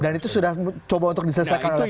dan itu sudah coba untuk diselesaikan oleh pemerintah